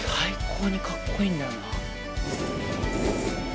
最高にかっこいいんだよな。